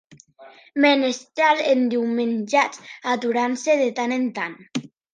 Menestrals endiumenjats aturant-se de tant en tant